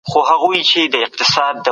نورې ژبې هم محترمې دي.